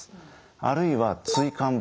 あるいは椎間板。